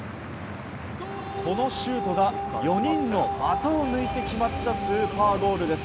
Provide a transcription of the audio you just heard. このシュートが４人の股を抜いて決まったスーパーゴールです。